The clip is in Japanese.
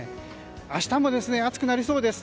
明日も暑くなりそうです。